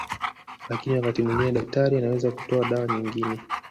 Lakini wakati mwingine daktari anaweza kutoa dawa nyinine